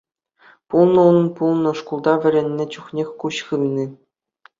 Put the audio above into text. Пулнӑ унӑн, пулнӑ шкулта вӗреннӗ чухнех куҫ хывни.